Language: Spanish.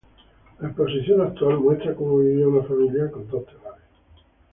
La exposición actual muestra cómo vivía una familia con dos telares.